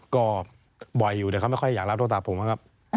ก็บ่อยอยู่แต่เขาไม่ค่อยอยากรับโทรศัพท์ผมนะครับ